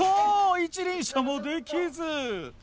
一輪車もできず！